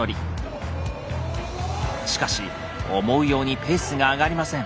しかし思うようにペースが上がりません。